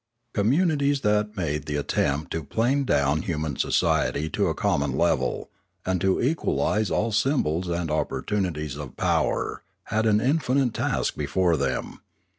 Communities that made the attempt to plane down human society to a common level, and to equalise all symbols and opportunities of power had an infinite task before them.